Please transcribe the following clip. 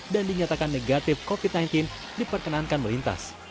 dan dinyatakan negatif covid sembilan belas diperkenankan melintas